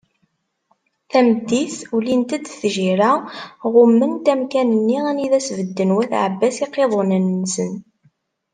Tameddit, ulint-d tjirra, ɣumment amkan-nni anda i sbedden wat Ɛebbas iqiḍunen-nsen.